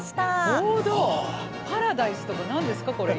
「パラダイス」とか何ですかこれ。